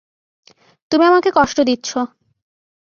তুমি আমাকে কষ্ট দিচ্ছ!